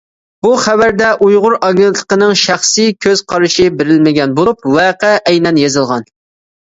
بۇ خەۋەردە ئۇيغۇر ئاگېنتلىقىنىڭ شەخسىي كۆز قارىشى بېرىلمىگەن بولۇپ، ۋەقە ئەينەن يېزىلغان.